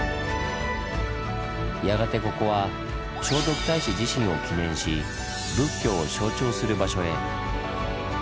やがてここは聖徳太子自身を記念し仏教を象徴する場所へ。